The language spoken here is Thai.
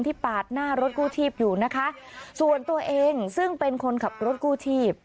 ปาดหน้ารถกู้ชีพอยู่นะคะส่วนตัวเองซึ่งเป็นคนขับรถกู้ชีพ